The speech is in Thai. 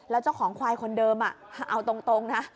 แล้วเจ้าของควายคนเดิมเอาตรงนะ